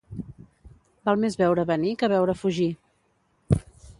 Val més veure venir que veure fugir.